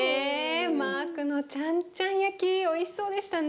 マークのちゃんちゃん焼きおいしそうでしたね。